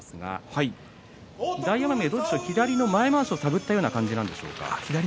大奄美は左の前まわしを探ったんような感じですか？